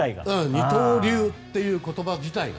二刀流という言葉自体が。